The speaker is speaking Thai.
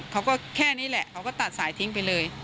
เขาก็แค่นี้แหละเขาก็ตัดสายทิ้งไปเลย